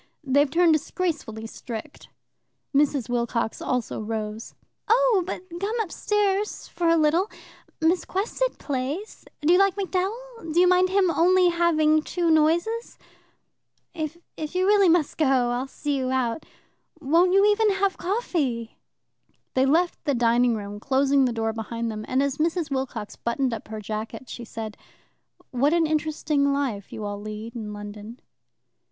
"They've turned disgracefully strict. Mrs. Wilcox also rose. "Oh, but come upstairs for a little. Miss Quested plays. Do you like MacDowell? Do you mind him only having two noises? If you must really go, I'll see you out. Won't you even have coffee?" They left the dining room, closing the door behind them, and as Mrs. Wilcox buttoned up her jacket, she said: "What an interesting life you all lead in London!"